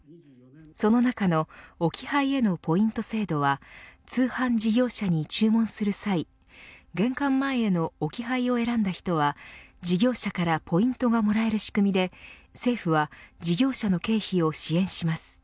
その中の置き配へのポイント制度は通販事業者に注文する際玄関前への置き配を選んだ人は事業者からポイントがもらえる仕組みで政府は事業者の経費を支援します。